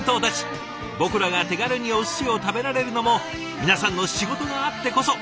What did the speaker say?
僕らが手軽にお寿司を食べられるのも皆さんの仕事があってこそ。